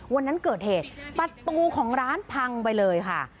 วันนั้นเกิดเหตุประตูของร้านพังไปเลยค่ะ